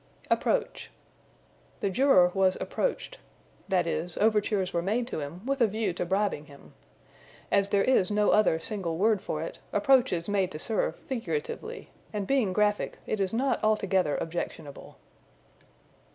Approach. "The juror was approached"; that is, overtures were made to him with a view to bribing him. As there is no other single word for it, approach is made to serve, figuratively; and being graphic, it is not altogether objectionable.